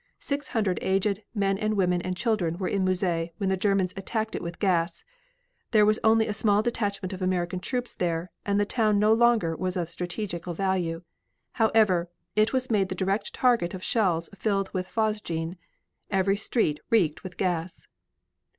Six hundred aged men and women and children were in Mouzay when the Germans attacked it with gas. There was only a small detachment of American troops there and the town no longer was of strategical value. However, it was made the direct target of shells filled with phosgene. Every street reeked with gas.